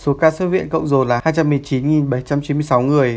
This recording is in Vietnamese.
số ca xuất viện cộng dồn là hai trăm một mươi chín bảy trăm chín mươi sáu người